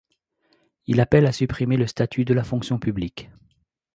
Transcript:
Il appelle à supprimer le statut de la fonction publique.